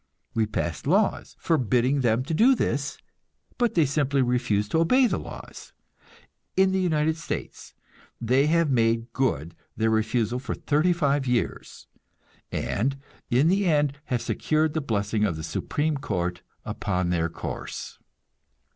We passed laws forbidding them to do this, but they simply refused to obey the laws. In the United States they have made good their refusal for thirty five years, and in the end have secured the blessing of the Supreme Court upon their course.